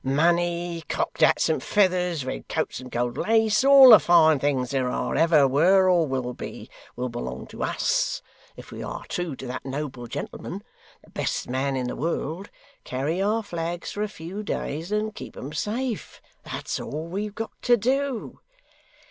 'Money, cocked hats and feathers, red coats and gold lace; all the fine things there are, ever were, or will be; will belong to us if we are true to that noble gentleman the best man in the world carry our flags for a few days, and keep 'em safe. That's all we've got to do.